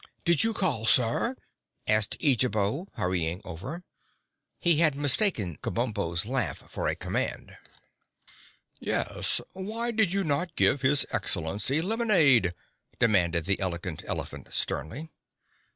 "Did you call, Sir?" asked Eejabo, hurrying over. He had mistaken Kabumpo's laugh for a command. "Yes; why did you not give his Excellency lemonade?" demanded the Elegant Elephant sternly.